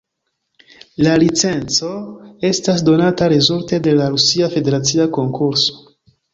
La licenco estas donata rezulte de la rusia federacia konkurso.